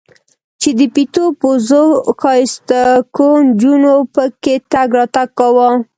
چې د پيتو پوزو ښايستوکو نجونو پکښې تګ راتګ کاوه.